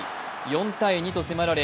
４−２と迫られ